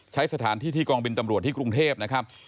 ใช้สถานที่ที่กองบินตำรวจที่กรุงเทพนะครับ